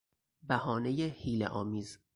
بهانهی حیله آمیز